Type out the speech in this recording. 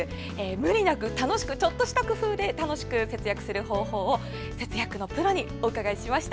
無理なくちょっとした工夫で楽しく節約する方法を節約のプロにお伺いしました。